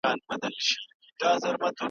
کمپيوټر کله ناکله جاميږي.